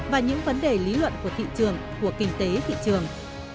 và những vấn đề lý luận của thị trường của kinh tế thị trường